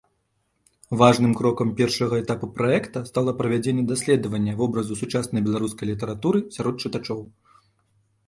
Важным крокам першага этапу праекта стала правядзенне даследавання вобразу сучаснай беларускай літаратуры сярод чытачоў.